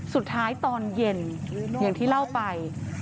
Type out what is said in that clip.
สุดท้ายตอนเย็นอย่างที่เล่าไป